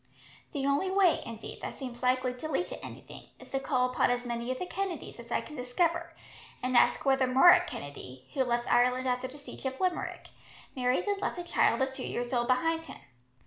The only way, indeed, that seems likely to lead to anything is to call upon as many of the Kennedys as I can discover, and ask whether Murroch Kennedy, who left Ireland after the siege of Limerick, married and left a child of two years old behind him.